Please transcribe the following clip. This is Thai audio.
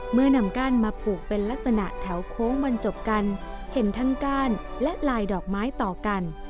เมื่อนำก้านมาผูกเป็นลักษณะแถวโค้งบรรจบกันเห็นทั้งก้านและลายดอกไม้ต่อกัน